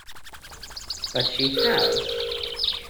But she has.